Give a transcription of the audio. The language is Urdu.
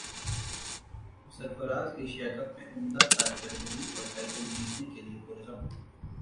سرفراز ایشیا کپ میں عمدہ کارکردگی اور ٹائٹل جیتنے کیلئے پرعزم